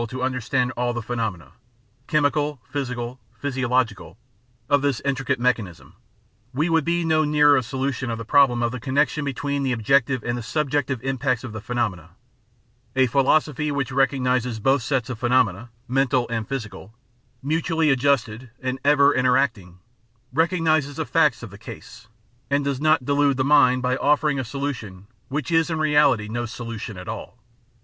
We cannot simi up the problem better than another writer who says : Supposing we were able to understand all the phenomena — chemical, physical, physiological — of this intricate mechan ism, we would be no nearer a solution of the problem of the connection between the objective and subjective impacts of the phenomena. ... A philosophy which recognises both sets of phenomena — omental and physical — ^mutually ad justed and ever interacting, recognises the facts of the case, and does not delude the mind by offering a solution which is in reality no solution at all.